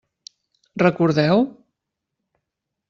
Recordeu?